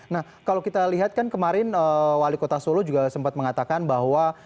nah kalau kita lihat kan kemarin wali kota solo juga sempat mengatakan bahwa